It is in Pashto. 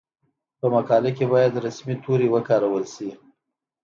په مقاله کې باید رسمي توري وکارول شي.